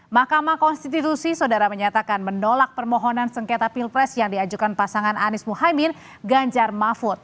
mahkamah konstitusi saudara menyatakan menolak permohonan sengketa pilpres yang diajukan pasangan anies muhaymin ganjar mahfud